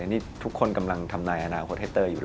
นี่ทุกคนกำลังทำนายอนาคตให้เตอร์อยู่